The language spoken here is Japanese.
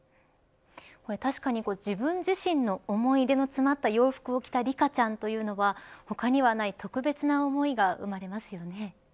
確かに、自分自身の思い出の詰まった洋服を着たリカちゃんというのは他にはない特別な思いが生まれますよね。